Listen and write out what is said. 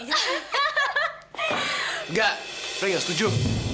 enggak fre gak setuju